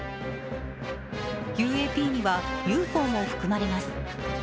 ＵＡＰにはＵＦＯも含まれます。